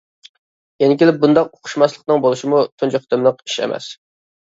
يەنە كېلىپ بۇنداق ئۇقۇشماسلىقنىڭ بولۇشىمۇ تۇنجى قېتىملىق ئىش ئەمەس.